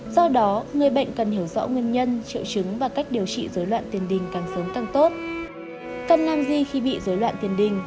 do đó người bệnh cần hiểu rõ nguyên nhân triệu chứng và cách điều trị rối loạn tiền đình càng sớm càng tốt